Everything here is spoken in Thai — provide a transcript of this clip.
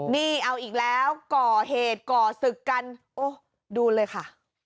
นี่เอาอีกแล้วก่อเหตุก่อศึกกันโอ้ดูเลยค่ะ